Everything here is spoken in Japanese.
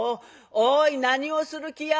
おい何をする気や？